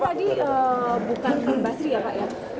tadi bukan mbak sri ya pak ya